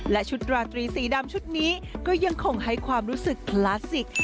และชุดราตรีสีดำชุดนี้ก็ยังคงให้ความรู้สึกคลาสสิก